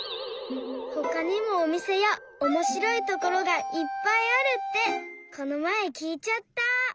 ほかにもおみせやおもしろいところがいっぱいあるってこのまえきいちゃった！